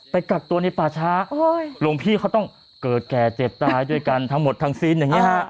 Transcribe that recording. กักตัวในป่าช้าหลวงพี่เขาต้องเกิดแก่เจ็บตายด้วยกันทั้งหมดทั้งสิ้นอย่างนี้ฮะ